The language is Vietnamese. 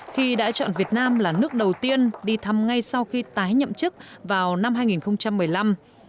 khi đã chọn việt nam là nước đầu tiên đi thăm ngay sau khi tái nhậm chức vào năm hai nghìn một mươi năm